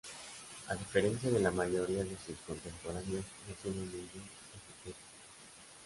A diferencia de la mayoría de sus contemporáneos, no tiene ningún epíteto.